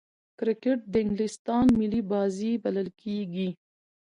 کرکټ د انګلستان ملي بازي بلل کیږي.